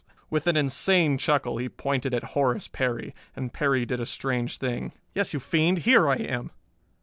With an insane chuckle he pointed at Horace Perry. And Perry did a strange thing. "Yes, you fiend, here I am!"